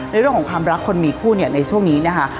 เรื่องของความรักคนมีคู่เนี่ยในช่วงนี้นะคะ